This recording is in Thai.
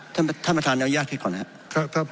ท่านประธานเนื้อยากทีก่อนนะครับ